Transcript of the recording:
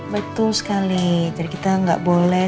betul sekali jadi kita nggak boleh